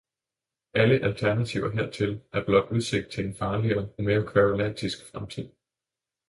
Alle alternativer hertil er blot udsigt til en farligere og mere kværulantisk fremtid.